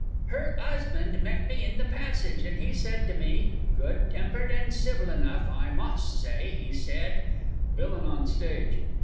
Her 'usban' met me in the passage; and he said to me good tempered and civil enough, I must say he said (VILLAIN ON STAGE.